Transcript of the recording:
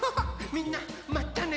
みんなまたね！